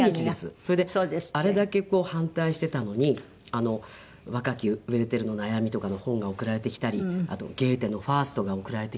それであれだけ反対していたのに『若きウェルテルの悩み』とかの本が送られてきたりあとゲーテの『ファウスト』が送られてきたり。